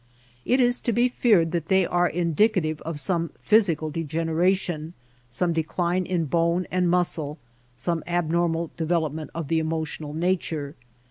It is to be feared that they are indicative of some physical degeneration, some decline in bone and muscle, some abnormal development of the emotional nature.